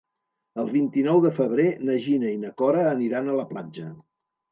El vint-i-nou de febrer na Gina i na Cora aniran a la platja.